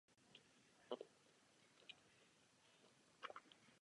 Finančně podporoval i skotské univerzity.